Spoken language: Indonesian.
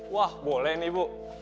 wah boleh nih bu